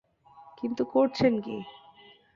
কিন্তু করেছেন কী?